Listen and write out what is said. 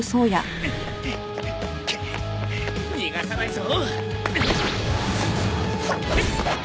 ぐっ逃がさないぞ。